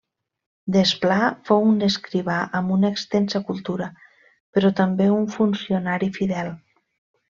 Desplà fou un escrivà amb una extensa cultura, però també un funcionari fidel.